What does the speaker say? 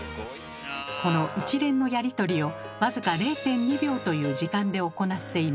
この一連のやり取りを僅か０．２秒という時間で行っています。